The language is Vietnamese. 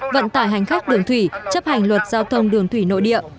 vận tải hành khách đường thủy chấp hành luật giao thông đường thủy nội địa